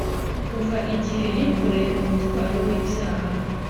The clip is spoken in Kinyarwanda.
kuva igihe yikoreye umutwaro w'ibyaha,